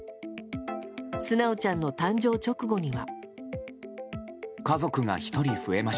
純ちゃんの誕生直後には。